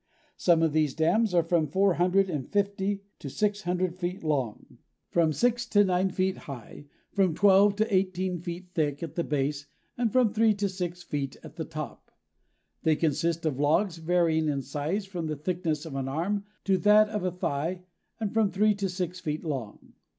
Some of these dams are from four hundred and fifty to six hundred feet long, from six to nine feet high, from twelve to eighteen feet thick at the base and from three to six feet at the top. They consist of logs varying in size from the thickness of an arm to that of a thigh and from three to six feet long.